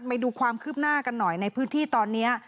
ไปดูความคืบหน้ากันหน่อยในพื้นที่ตอนนี้